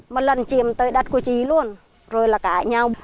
một lần chiếm tới đất cổ trí luôn rồi là cãi nhau